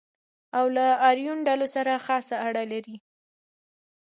او له آریون ډلو سره خاصه اړه لري.